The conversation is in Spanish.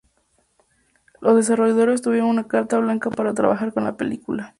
Los desarrolladores tuvieron carta blanca para trabajar con la película.